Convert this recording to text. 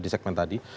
di segmen tadi